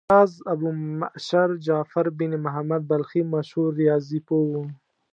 راز ابومعشر جعفر بن محمد بلخي مشهور ریاضي پوه و.